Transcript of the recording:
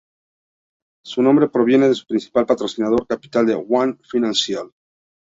Su nombre proviene de su principal patrocinador, Capital One Financial.